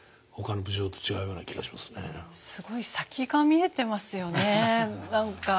すごい先が見えてますよね何か。